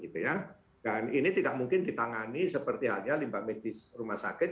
dan ini tidak mungkin ditangani seperti hanya limbah medis rumah sakit